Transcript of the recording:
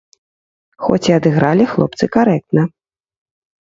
Хоць і адыгралі хлопцы карэктна.